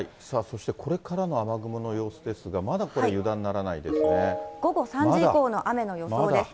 そしてこれからの雨雲の様子ですが、まだこれ、油断ならない午後３時以降の雨の予想です。